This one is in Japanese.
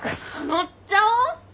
乗っちゃおう！